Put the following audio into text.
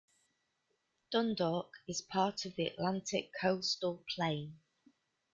Dundalk is part of the Atlantic Coastal Plain.